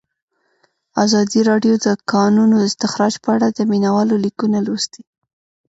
ازادي راډیو د د کانونو استخراج په اړه د مینه والو لیکونه لوستي.